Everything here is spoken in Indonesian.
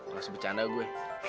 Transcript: masih becanda gue